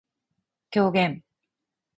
狂言